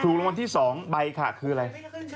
รางวัลที่๒ใบค่ะคืออะไร